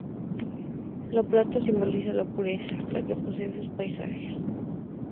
La plata, simboliza la pureza, la que poseen sus paisajes.